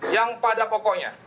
yang pada pokoknya